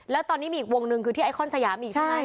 แล้วตอนนี้มีอีกวงหนึ่งคือที่ไอคอนสยามอีกใช่ไหม